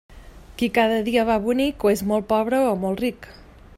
Qui cada dia va bonic, o és molt pobre o molt ric.